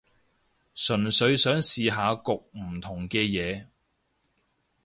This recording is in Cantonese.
純粹想試下焗唔同嘅嘢